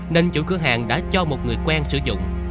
nên chủ cửa hàng đã cho một người quen sử dụng